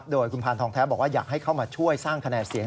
โดยคุณพานทองแท้บอกว่าอยากให้เข้ามาช่วยสร้างคะแนนเสียง